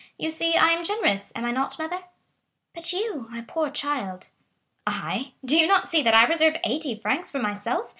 "You see I am generous, am I not, mother?" "But you, my poor child?" "I? do you not see that I reserve eighty francs for myself?